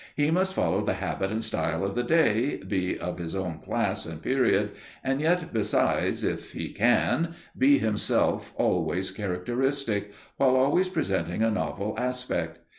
He must follow the habit and style of the day, be of his own class and period, and yet, besides, if he can, be himself always characteristic, while always presenting a novel aspect.